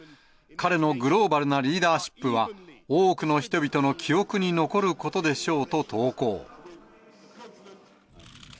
彼のグローバルなリーダーシップは、多くの人々の記憶に残ることでしょうと投稿。